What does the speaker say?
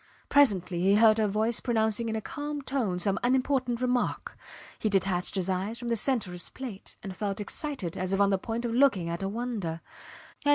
Presently he heard her voice pronouncing in a calm tone some unimportant remark. He detached his eyes from the centre of his plate and felt excited as if on the point of looking at a wonder.